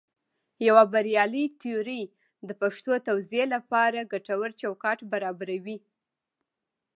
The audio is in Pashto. یوه بریالۍ تیوري د پېښو توضیح لپاره ګټور چوکاټ برابروي.